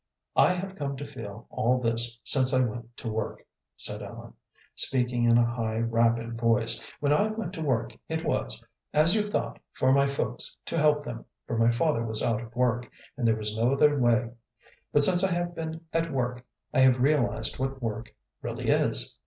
"I have come to feel all this since I went to work," said Ellen, speaking in a high, rapid voice. "When I went to work, it was, as you thought, for my folks, to help them, for my father was out of work, and there was no other way. But since I have been at work I have realized what work really is.